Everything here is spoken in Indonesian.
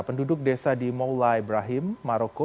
penduduk desa di maula ibrahim maroko